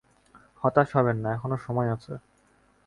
হতাশ হবেন না, এখনো সময় আছে।